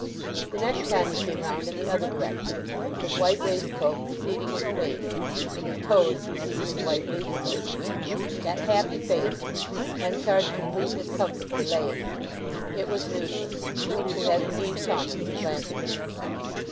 The next time he came round in the other direction, his white waist coat preceding his face, and his toes preceding his white waistcoat. That happy face—Henchard's complete discomfiture lay in it. It was Newson's, who had indeed come and supplanted him.